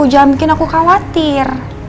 jangan bikin aku khawatir